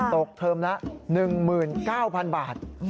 เทอมละ๑๙๐๐บาท